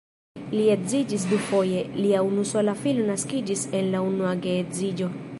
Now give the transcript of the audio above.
Li edziĝis dufoje, lia unusola filo naskiĝis en la unua geedziĝo.